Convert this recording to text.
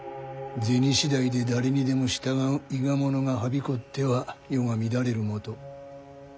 銭次第で誰にでも従う伊賀者がはびこっては世が乱れるもと。